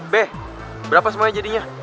be berapa semuanya jadinya